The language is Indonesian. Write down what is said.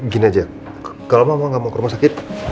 gini aja kalau mama nggak mau ke rumah sakit